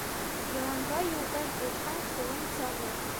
Йыланға юлдаш булһаң, ҡулың сағыр.